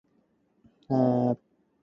係咪有咩事呀